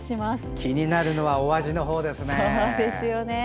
気になるのはお味のほうですね。